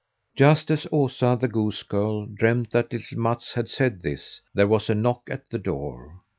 Just as Osa, the goose girl, dreamed that little Mats had said this, there was a knock at the door.